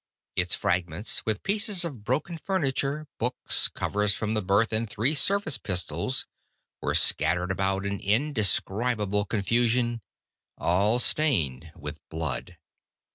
Its fragments, with pieces of broken furniture, books, covers from the berth, and three service pistols, were scattered about in indescribable confusion, all stained with blood.